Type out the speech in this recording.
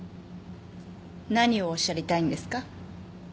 何をおっしゃりたいんですか？